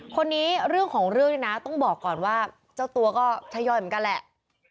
คนนี้เรื่องของเรื่องนี่นะต้องบอกก่อนว่าเจ้าตัวก็ทยอยเหมือนกันแหละ